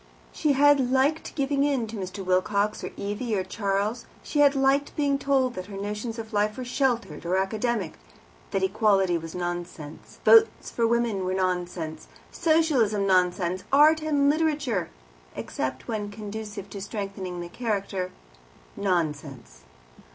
She had liked giving in to Mr. Wilcox, or Evie, or Charles; she had liked being told that her notions of life were sheltered or academic; that Equality was nonsense, Votes for Women nonsense, Socialism nonsense, Art and Literature, except when conducive to strengthening the character, nonsense.